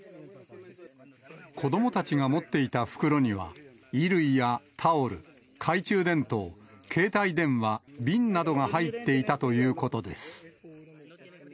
子どもたちが持っていた袋には、衣類やタオル、懐中電灯、携帯電話、瓶などが入っていたということです。